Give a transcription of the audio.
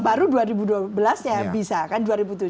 baru dua ribu dua belas nya bisa kan dua ribu tujuh belas